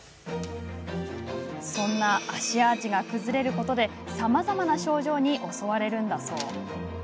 そんな足アーチが崩れることでさまざまな症状に襲われるんだそう。